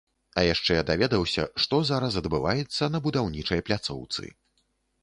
А яшчэ даведаўся, што зараз адбываецца на будаўнічай пляцоўцы.